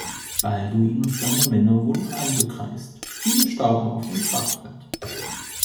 Balduin und seine Männer wurden eingekreist, viele starben auf dem Schlachtfeld.